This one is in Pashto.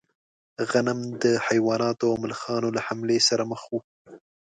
غنم د حیواناتو او ملخانو له حملې سره مخ و.